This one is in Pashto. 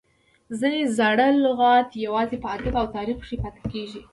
ځینې زاړي لغات یوازي په ادب او تاریخ کښي پاته کیږي.